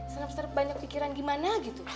senap seter banyak pikiran gimana gitu